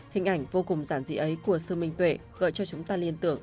hình ảnh vô cùng giản dị ấy của sương minh tuệ gợi cho chúng ta liên tưởng